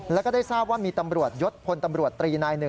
แล้วก็ได้ทราบว่ามีตำรวจยศพลตำรวจตรีนายหนึ่ง